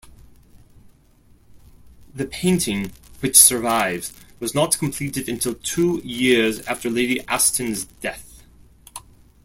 The painting, which survives, was not completed until two years after Lady Aston's death.